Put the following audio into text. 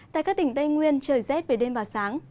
tại các tỉnh tây nguyên trời rét về đêm và sáng